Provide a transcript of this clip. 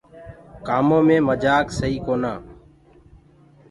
ڪآمو مي مجآڪ سئي ڪونآ۔